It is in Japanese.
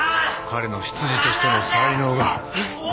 彼の執事としての才能が。